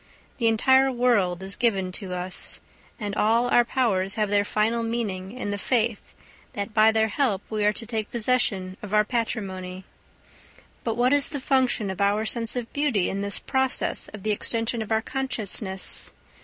The entire world is given to us, and all our powers have their final meaning in the faith that by their help we are to take possession of our patrimony. But what is the function of our sense of beauty in this process of the extension of our consciousness?